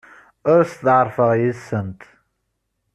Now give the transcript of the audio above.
Ur steɛṛfeɣ yes-sent.